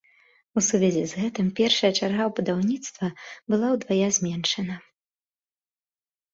У сувязі з гэтым першая чарга будаўніцтва было ўдвая зменшана.